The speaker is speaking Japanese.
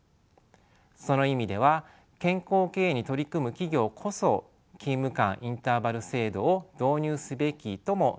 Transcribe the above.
その意味では健康経営に取り組む企業こそ勤務間インターバル制度を導入すべきとも言えるでしょう。